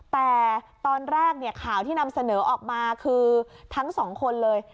แต่ตอนแรกเนี่ยข่าวที่นำเสนอออกมาคือทั้งสองคนเลย